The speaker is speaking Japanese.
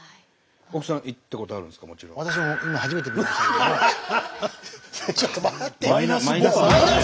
しかもちょっと待って。